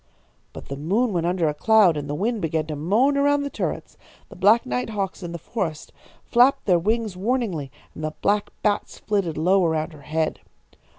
"But the moon went under a cloud and the wind began to moan around the turrets. The black night hawks in the forests flapped their wings warningly, and the black bats flitted low around her head.